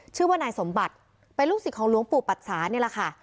ชื่อว่านายสมบัติเป็นลูกศิษย์ของหลวงปู่ปัดสานี่แหละค่ะ